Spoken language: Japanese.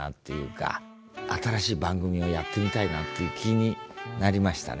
新しい番組をやってみたいなっていう気になりましたね。